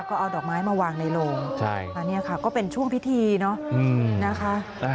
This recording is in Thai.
ก็เอาดอกไม้มาวางในโรงอันนี้ค่ะก็เป็นช่วงพิธีเนาะนะคะ